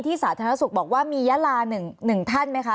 สาธารณสุขบอกว่ามียาลา๑ท่านไหมคะ